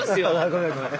ごめんごめん。